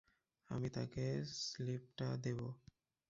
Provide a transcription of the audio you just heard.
আমি তাকে স্লিপটা দেবো।